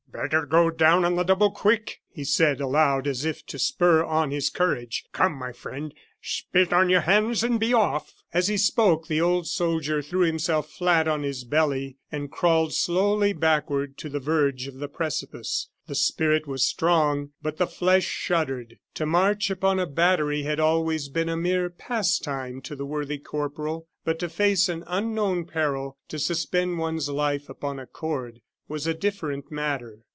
"Better go down on the double quick," he said aloud, as if to spur on his courage. "Come, my friend, spit on your hands and be off!" As he spoke the old soldier threw himself flat on his belly and crawled slowly backward to the verge of the precipice. The spirit was strong, but the flesh shuddered. To march upon a battery had always been a mere pastime to the worthy corporal; but to face an unknown peril, to suspend one's life upon a cord, was a different matter.